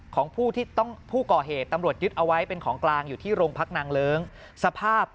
ของผู้ที่ต้องผู้ก่อเหตุตำรวจยึดเอาไว้เป็นของกลางอยู่ที่โรงพักนางเลิ้งสภาพ